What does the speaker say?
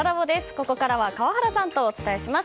ここからは川原さんとお伝えします。